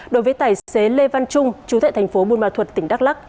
đối với tài xế lê văn trung chú thệ thành phố bùn ma thuật tỉnh đắk lắc